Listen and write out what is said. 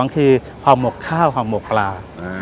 ๒คือฮ่อมกข้าวฮ่อมกปลา